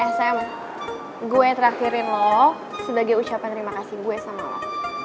eh sam gue traktirin lo sebagai ucapan terima kasih gue sama lo